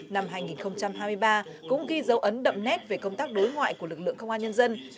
năm hai nghìn hai mươi ba cũng ghi dấu ấn đậm nét về công tác đối ngoại của lực lượng công an nhân dân